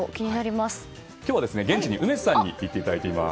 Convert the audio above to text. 今日は現地に、梅津さんに行っていただいています。